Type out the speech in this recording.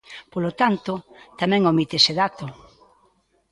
Polo tanto, tamén omite ese dato.